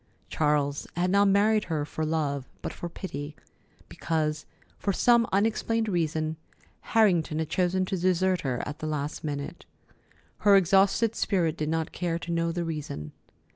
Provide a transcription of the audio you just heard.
Charles had not married her for love, but for pity, because, for some unexplained reason, Harrington had chosen to desert her at the last minute. Her exhausted spirit did not care to know the reason.